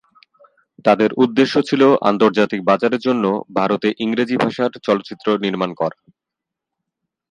তাদের উদ্দেশ্য ছিল আন্তর্জাতিক বাজারের জন্য ভারতে ইংরেজি ভাষার চলচ্চিত্র নির্মাণ করা।